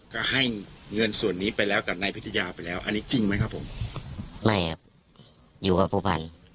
ก็ให้เงินส่วนนี้ไปแล้วกับนายพิทยาไปแล้วอันนี้จริงไหมครับผม